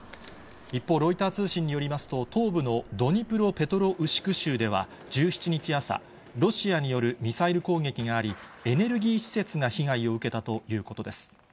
一方、ロイター通信によりますと、東部のドニプロペトロウシク州では１７日朝、ロシアによるミサイル攻撃があり、エネルギー施設が被害を受けたということです。